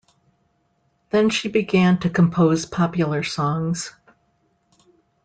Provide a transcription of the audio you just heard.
Then she began to compose popular songs.